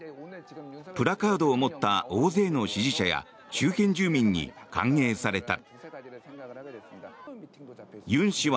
プラカードを持った大勢の支持者や周辺住民に歓迎された。